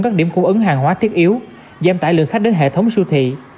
các điểm cung ứng hàng hóa thiết yếu giảm tải lượng khách đến hệ thống siêu thị